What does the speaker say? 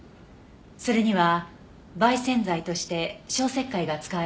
それには媒染剤として消石灰が使われていました。